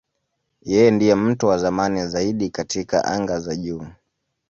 Yeye ndiye mtu wa zamani zaidi katika anga za juu.